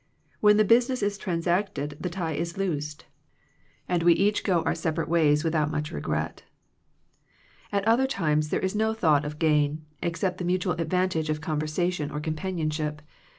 When the busi ness is transacted the tie is loosed, and 139 Digitized by VjOOQIC THE WRECK OF FRIENDSHIP we each go our separate ways without much regret. At other times there is no thought of gain, except the mutual advantage of conversation or companionship.